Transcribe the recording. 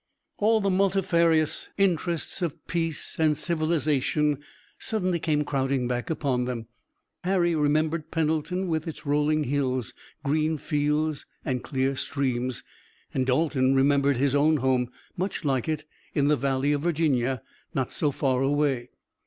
All the multifarious interests of peace and civilization suddenly came crowding back upon them. Harry remembered Pendleton with its rolling hills, green fields, and clear streams, and Dalton remembered his own home, much like it, in the Valley of Virginia, not so far away.